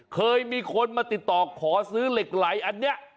เคยมีคนมาติดต่อขอซื้อเหล็กไหลอันนี้